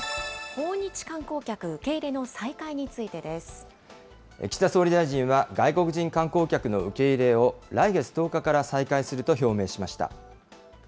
訪日観光客受け入れの再開につい岸田総理大臣は、外国人観光客の受け入れを、来月１０日から再開すると表明しました。